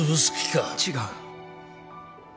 違う。